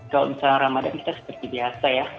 kalau misalnya ramadan kita seperti biasa ya